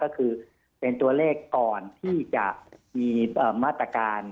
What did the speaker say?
ก็คือเป็นตัวเลขก่อนที่จะมีมาตรการ